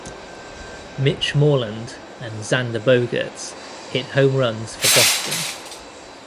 Mitch Moreland and Xander Bogaerts hit home runs for Boston.